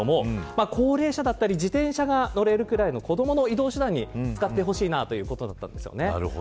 高齢者や自転車が乗れるくらいの子どもの移動手段に使ってほしいということだったんですよね。